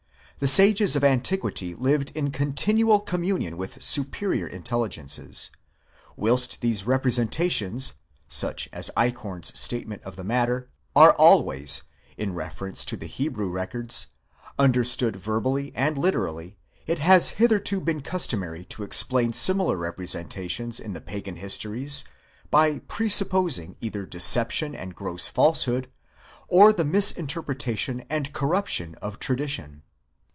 The sages of antiquity lived in continual communion with superior intelligences, Whilst these re presentations (such is Eichhorn's statement of the matter) are always, in reference to the Hebrew records, understood verbally and literally, it has hitherto been customary to explain similar representations in the pagan histories, by presupposing either deception and gross falsehood, or the mis interpretation and corruption of tradition.